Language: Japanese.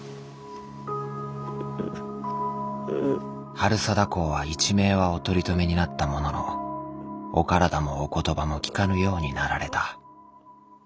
治済公は一命はお取り留めになったもののお体もお言葉もきかぬようになられた。